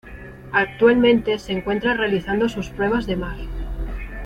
Actualmente se encuentra realizando sus pruebas de mar.